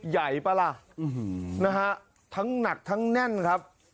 ใหญ่ป่ะล่ะทั้งหนักทั้งแน่นครับ